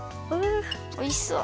おいしそう。